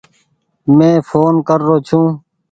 مين ڦون ڪر رو ڇون ۔